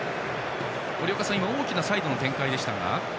森岡さん大きなサイドの展開でした。